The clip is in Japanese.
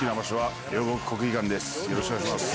よろしくお願いします。